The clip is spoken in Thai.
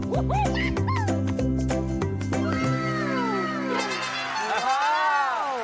ว้าว